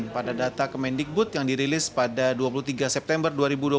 pada data kemendikbud yang dirilis pada dua puluh tiga september dua ribu dua puluh